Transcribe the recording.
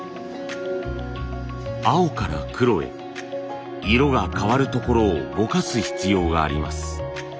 青から黒へ色が変わるところをぼかす必要があります。